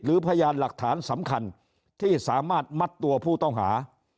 พยานหลักฐานสำคัญที่สามารถมัดตัวผู้ต้องหา